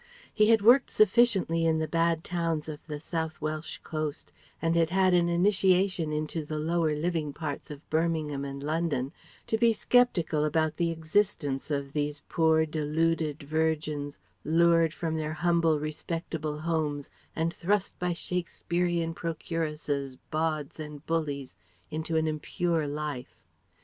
He had worked sufficiently in the bad towns of the South Welsh coast and had had an initiation into the lower living parts of Birmingham and London to be skeptical about the existence of these poor, deluded virgins, lured from their humble respectable homes and thrust by Shakespearean procuresses, bawds, and bullies into an impure life.